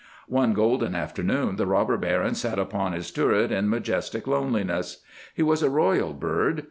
One golden afternoon the Robber Baron sat upon his turret in majestic loneliness. He was a royal bird.